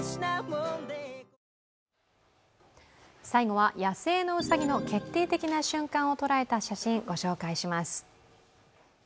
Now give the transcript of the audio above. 最後は、野生のうさぎの決定的な瞬間を捉えた写真ご紹介します。